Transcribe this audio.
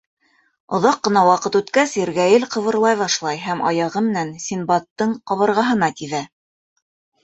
Оҙаҡ ҡына ваҡыт үткәс, иргәйел ҡыбырлай башлай һәм аяғы менән Синдбадтың ҡабырғаһына тибә.